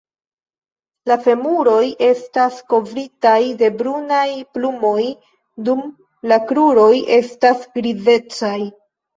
La femuroj estas kovritaj de brunaj plumoj dum la kruroj estas grizecaj.